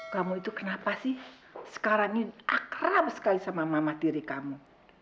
kamu itu kenapa sih sekarang ini akrab sekali sama mama tiri kamu